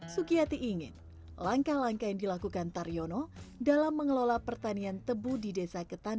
sukiyati ingin langkah langkah yang dilakukan taryono dalam mengelola pertanian tebu di desa ketan